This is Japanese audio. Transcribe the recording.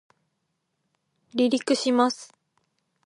離陸します